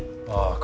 ああ。